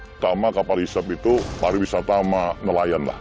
pertama kapal hisap itu pariwisata sama nelayan mbak